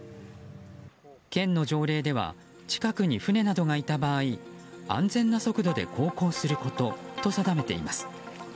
県の条例では近くに船などいた場合安全な速度で航行することと定めています。